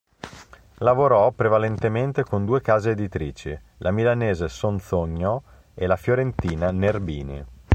Lavorò prevalentemente con due case editrici, la milanese Sonzogno e la fiorentina Nerbini.